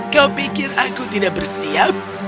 kau pikir aku tidak bersiap